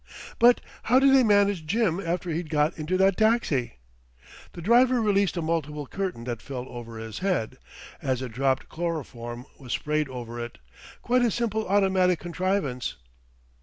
"But how did they manage Jim after he'd got into that taxi?" "The driver released a multiple curtain that fell over his head. As it dropped chloroform was sprayed over it. Quite a simple automatic contrivance."